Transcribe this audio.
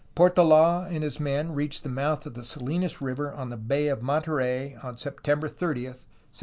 Portold and his men reached the mouth of the Salinas Eiver on the Bay of Monterey on September 30, 1769.